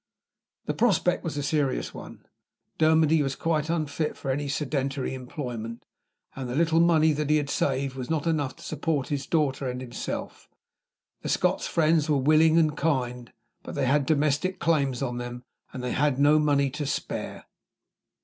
The prospect was a serious one. Dermody was quite unfit for any sedentary employment; and the little money that he had saved was not enough to support his daughter and himself. The Scotch friends were willing and kind; but they had domestic claims on them, and they had no money to spare.